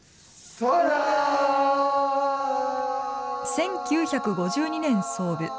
１９５２年創部。